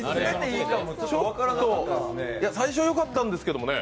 最初よかったんですけどもね。